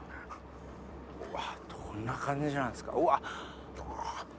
うわどんな感じなんですか？